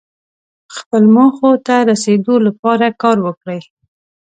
خپلو موخو ته رسیدو لپاره کار وکړئ.